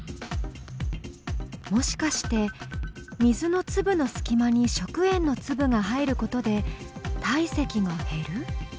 もしかして水の粒の隙間に食塩の粒が入ることで体積が減る？